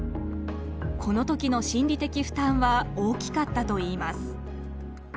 この時の心理的負担は大きかったといいます。